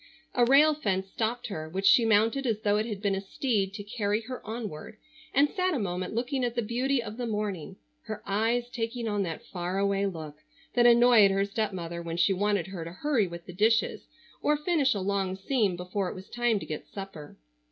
A rail fence stopped her, which she mounted as though it had been a steed to carry her onward, and sat a moment looking at the beauty of the morning, her eyes taking on that far away look that annoyed her stepmother when she wanted her to hurry with the dishes, or finish a long seam before it was time to get supper.